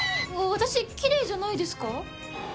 私きれいじゃないですか？